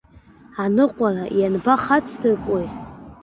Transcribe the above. Аныҟәара ианбахацдыркуеи?